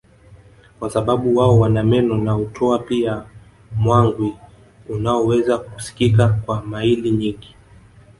kwa sababu wao wana meno na hutoa pia mwangwi unaoweza kusikika kwa maili nyingi